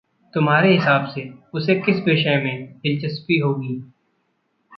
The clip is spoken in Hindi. तुम्हारे हिसाब से उसे किस विषय में दिलचस्पी होगी?